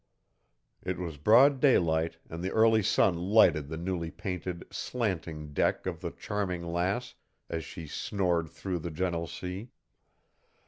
It was broad daylight, and the early sun lighted the newly painted, slanting deck of the Charming Lass as she snored through the gentle sea.